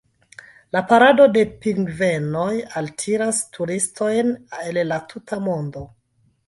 La parado de pingvenoj altiras turistojn el la tuta mondo.